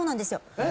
えっ！